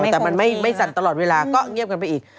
แต่มันไม่สั่นตลอดเวลาก็เงียบกันไปอีก